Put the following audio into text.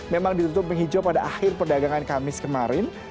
memang ditutup penghijau pada akhir perdagangan kamis kemarin